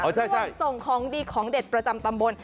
ส่งของดีของเด็ดประจำตำบล